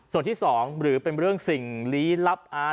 ส่วนที่สองหรือเป็นเรื่องสิ่งหลับหะ